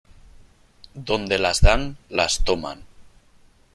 Donde las dan las toman.